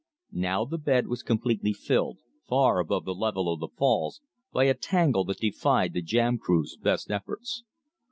Now the bed was completely filled, far above the level of the falls, by a tangle that defied the jam crew's best efforts.